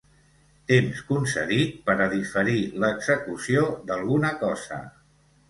Temps concedit per a diferir l'execució d'alguna cosa.